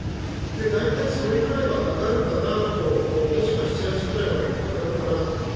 大体それぐらいは上がるかなともしくは７、８まで上がるかなと。